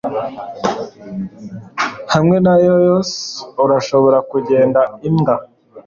hamwe na yo-yos, urashobora kugenda imbwa